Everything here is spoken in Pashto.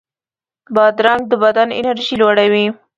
بادرنګ د بدن انرژي لوړوي.